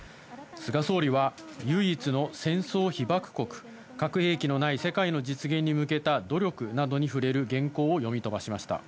菅総理は、唯一の戦争被爆国、核兵器のない世界の実現に向けた努力などに触れる原稿を読み飛ばしました。